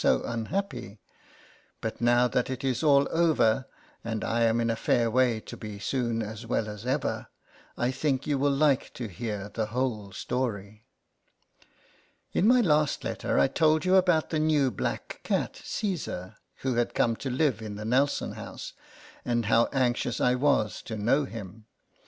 so unhappy. But now that it is all over, and I am in a fair way to be soon as well as ever, I think you will like to hear the whole story. In my last letter I told you about the new black cat, Caesar, who had come to live in the Nelson house, and how anxious I was to know him.